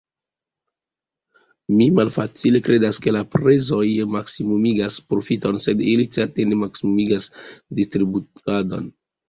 Mi malfacile kredas, ke la prezoj maksimumigas profiton, sed ili certe ne maksimumigas distribuadon.